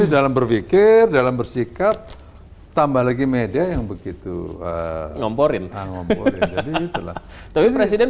dalam berpikir dalam bersikap tambah lagi media yang begitu ngomporin jadi itulah tapi presiden